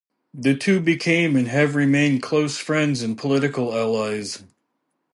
The two became, and have remained, close friends and political allies.